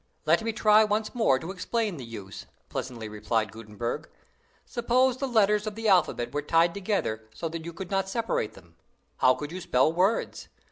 "Let me try once more to explain the use," pleasantly replied Gutenberg. "Suppose the letters of the alphabet were tied together so that you could not separate them, how could you spell words?